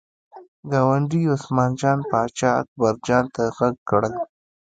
ګاونډي عثمان جان پاچا اکبر جان ته غږ کړل.